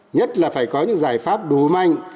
nhất là phải có những giải pháp đủ manh